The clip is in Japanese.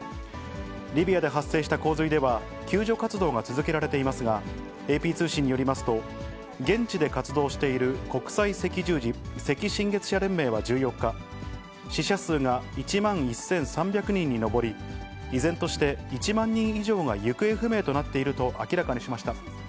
リビアで発生した洪水では、救助活動が続けられていますが、ＡＰ通信によりますと、現地で活動している国際赤十字・赤新月社連盟は１４日、死者数が１万１３００人に上り、依然として１万人以上が行方不明となっていると明らかにしました。